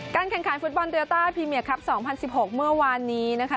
แข่งขันฟุตบอลโยต้าพรีเมียครับ๒๐๑๖เมื่อวานนี้นะคะ